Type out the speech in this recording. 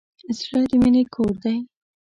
زړه د مینې کور دی.